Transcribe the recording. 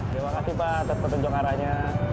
terima kasih pak terpencet aranya